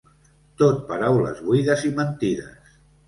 Tot paraules buides i mentides.